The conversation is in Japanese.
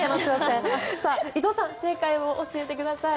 伊藤さん正解を教えてください。